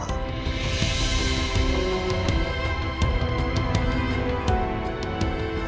aku rasa elsa juga harus terima